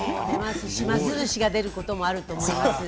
ますずしが出ることもあります。